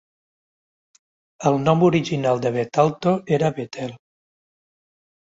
El nom original de Bethalto era Bethel.